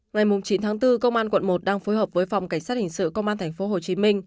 ngày chín tháng bốn công an quận một đang phối hợp với phòng cảnh sát hình sự công an tp hcm